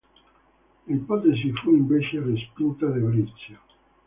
L'ipotesi fu invece respinta da Brizio.